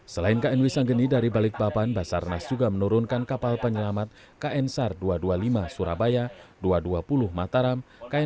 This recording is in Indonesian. selain kn wisanggeni dari balikpapan basarnas juga menurunkan kapal penyelamat kn sar dua ratus dua puluh lima surabaya dua ratus dua puluh mataram